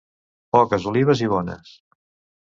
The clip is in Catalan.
Poques olives i bones.